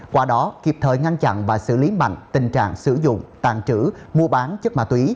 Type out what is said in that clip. qua đó kịp thời ngăn chặn và xử lý mạnh tình trạng sử dụng tàn trữ mua bán chất ma túy